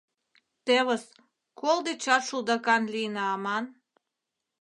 Тевыс, кол дечат шулдакан лийна аман.